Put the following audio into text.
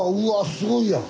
すごいやん。